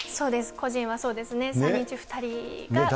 個人はそうですね、３人中２人が。